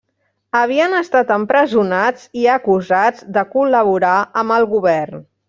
Havien estat empresonats i acusats de col·laborar amb el govern.